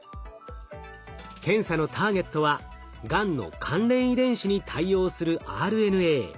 検査のターゲットはがんの関連遺伝子に対応するＲＮＡ。